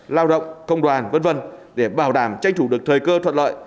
lao động công đoàn v v để bảo đảm tranh thủ được thời cơ thuận lợi